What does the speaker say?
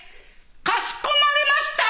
かしこまりました！